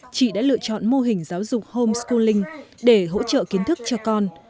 chị đã lựa chọn mô hình giáo dục homeschooling để hỗ trợ kiến thức cho con